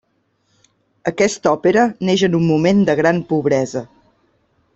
Aquesta òpera neix en un moment de gran pobresa.